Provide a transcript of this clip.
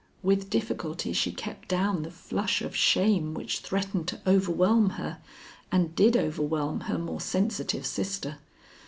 With difficulty she kept down the flush of shame which threatened to overwhelm her and did overwhelm her more sensitive sister.